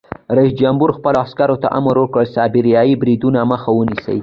رئیس جمهور خپلو عسکرو ته امر وکړ؛ د سایبري بریدونو مخه ونیسئ!